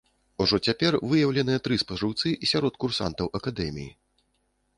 Ужо цяпер выяўленыя тры спажыўцы сярод курсантаў акадэміі.